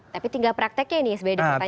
tapi tinggal prakteknya ini sebagai dipertanyakan